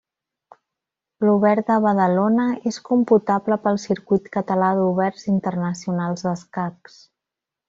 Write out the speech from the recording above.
L'Obert de Badalona és computable pel Circuit Català d'Oberts Internacionals d'Escacs.